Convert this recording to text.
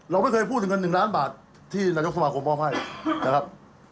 เราไม่เคยพูดถึงเงิน๑ล้านบาทที่นายกสมาคมมอบให้นะครับ